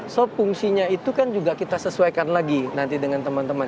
so fungsinya itu kan juga kita sesuaikan lagi nanti dengan teman teman